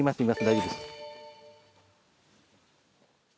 大丈夫です。